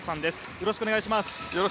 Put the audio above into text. よろしくお願いします。